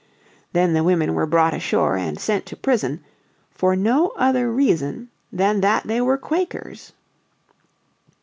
Then the women were brought ashore and sent to prison, for no other reason than that they were Quakers.